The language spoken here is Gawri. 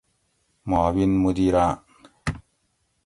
معاون مدیران